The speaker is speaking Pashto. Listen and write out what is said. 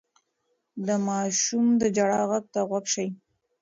د ماشوم د ژړا غږ ته غوږ شئ.